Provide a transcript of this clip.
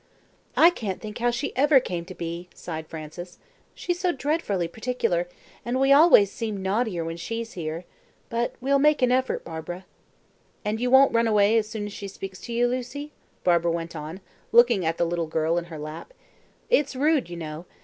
"I can't think how she ever came to be," sighed Frances. "She's so dreadfully particular, and we always seem naughtier when she's here. But we'll make an effort, Barbara." "And you won't run away as soon as she speaks to you, Lucy?" Barbara went on, looking at the little girl in her lap. "It's rude, you know.